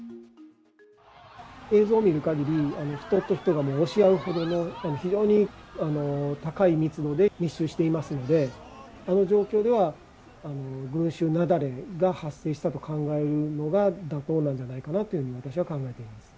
映像見るかぎり、人と人がもう押し合うほどの、非常に高い密度で密集していますので、あの状況では、群集雪崩が発生したと考えるのが妥当なんじゃないかなというふうに私は考えています。